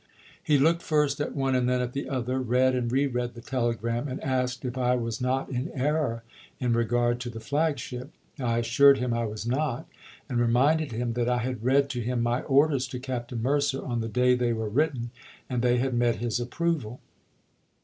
He looked first at one and then at the other, read, and re read the telegram, and asked if I was not in error in regard to the flag ship. I assured him I was not, and reminded him that I had read to him my orders to Captain Mercer on the day they were written, and they had met his approval.